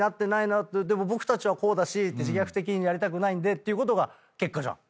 でも僕たちはこうだし自虐的になりたくないんで」っていうことが結果じゃん。